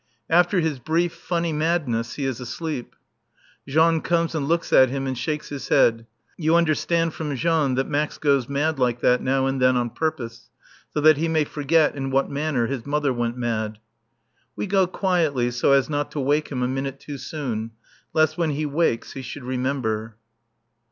After his brief, funny madness, he is asleep. Jean comes and looks at him and shakes his head. You understand from Jean that Max goes mad like that now and then on purpose, so that he may forget in what manner his mother went mad. We go quietly so as not to wake him a minute too soon, lest when he wakes he should remember.